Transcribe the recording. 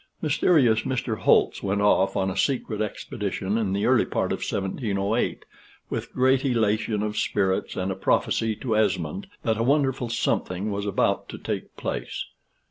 Mysterious Mr. Holtz went off on a secret expedition in the early part of 1708, with great elation of spirits and a prophecy to Esmond that a wonderful something was about to take place.